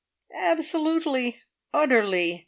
"Absolutely! Utterly!